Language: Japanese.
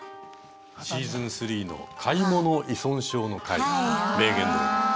シーズン３の「買い物依存症」の回の名言です。